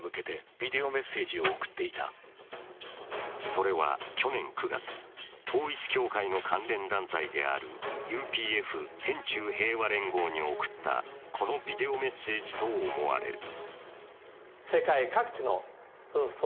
それは去年９月、統一教会の関連団体であるＵＰＦ＝天宙平和連合に送ったこのビデオメッセージと思われる。